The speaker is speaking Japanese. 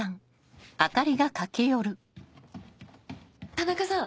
田中さん。